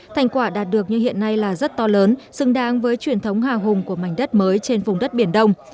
thành quả đạt được như hiện nay là rất to lớn xứng đáng với truyền thống hào hùng của mảnh đất mới trên vùng đất biển đông